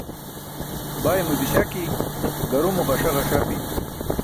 Baymo diśaki, garumo ġasa ġasapi.